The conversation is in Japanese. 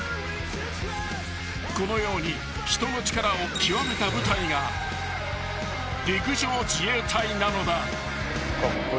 ［このように人の力を極めた部隊が陸上自衛隊なのだ］